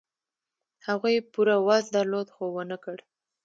هغوی پوره وس درلود، خو و نه کړ.